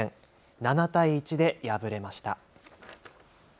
７対１で敗れました。